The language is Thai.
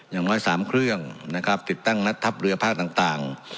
อย่างน้อย๓เครื่องนะครับติดตั้งนัดทัพเรือภาคต่าง